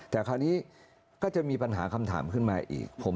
แต่คราวนี้ก็จะมีปัญหาคำถามขึ้นมาอีก